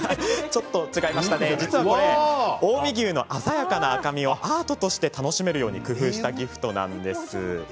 実は、これ近江牛の鮮やかな赤身をアートとして楽しめるように工夫したギフトなんです。